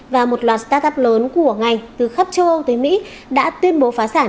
và một loạt startup lớn của ngành từ khắp châu âu tới mỹ đã tuyên bố phá sản